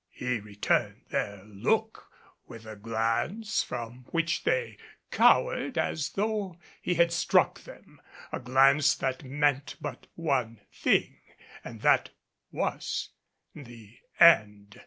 He returned their look with a glance from which they cowered as though he had struck them; a glance that meant but one thing, and that was the end.